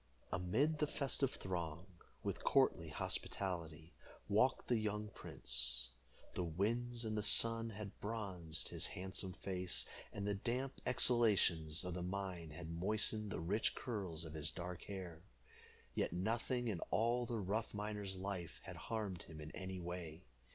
Amid the festive throng, with courtly hospitality, walked the young prince. The winds and sun had bronzed his handsome face, and the damp exhalations of the mine had moistened the rich curls of his dark hair. Yet nothing in all the rough miner's life had harmed him in any way.